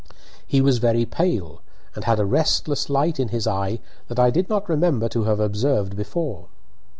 He was very pale, and had a restless light in his eye that I did not remember to have observed before.